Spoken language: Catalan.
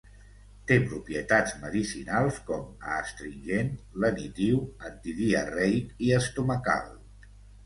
Té propietats medicinals com a astringent, lenitiu, antidiarreic i estomacal.